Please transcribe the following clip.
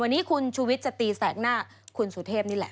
วันนี้คุณชูวิทย์จะตีแสกหน้าคุณสุเทพนี่แหละ